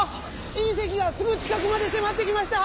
いん石がすぐちかくまでせまってきました！